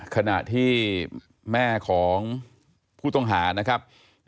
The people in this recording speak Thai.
ขณะที่แม่ของผู้ต้องหานะครับ